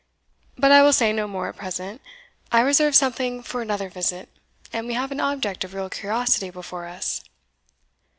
But I will say no more at present; I reserve something for another visit, and we have an object of real curiosity before us."